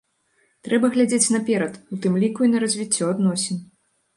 Трэба глядзець наперад, у тым ліку і на развіццё адносін.